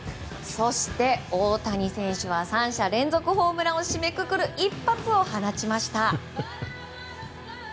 そして、大谷選手は３者連続ホームランを締めくくる一発を放ちました。